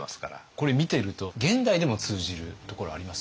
これ見てると現代でも通じるところあります？